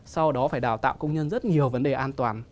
sau đó phải đào tạo công nhân rất nhiều vấn đề an toàn